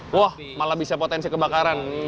wah malah bisa potensi kebakaran